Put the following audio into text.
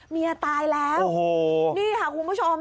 เมียตายแล้วนี่ค่ะคุณผู้ชม